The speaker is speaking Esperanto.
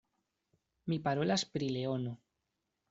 Mi parolas pri leono.